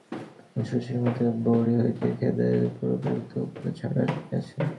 কারণ, শশীর মতে বড়ি হইতে খেদাইয়া দেওয়ার উপযুক্ত কুন্দ ছাড়া আর কে আছে?